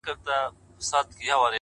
دا لکه ماسوم ته چي پېښې کوې”